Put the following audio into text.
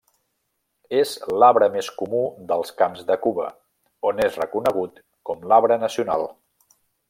És l'arbre més comú dels camps de Cuba, on és reconegut com l'arbre nacional.